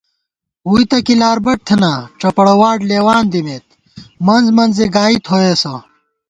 ووئی تہ کی لاربٹ تھنا، ڄپَڑہ واٹ لېوان دِمېت، منز منزےگائی تھوئیسہ